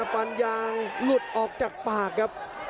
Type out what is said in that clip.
ฟันยางหลุดออกจากปากครับ